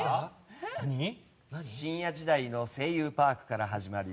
深夜時代の「声優パーク」から始まり